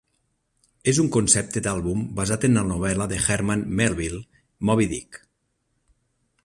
És un concepte d'àlbum basat en la novel·la de Herman Melville "Moby-Dick".